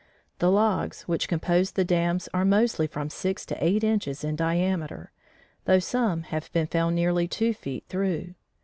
The logs which compose the dams are mostly from six to eight inches in diameter, though some have been found nearly two feet through.